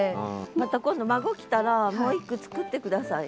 また今度孫来たらもう一句作って下さい。